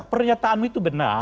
pernyataanmu itu benar